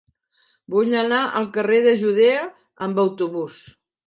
Vull anar al carrer de Judea amb autobús.